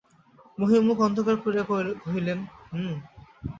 মহিম মুখ অন্ধকার করিয়া কহিলেন, হুঁ।